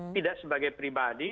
tidak sebagai pribadi